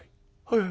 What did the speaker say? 「はい。